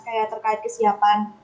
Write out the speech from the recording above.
kayak terkait kesiapan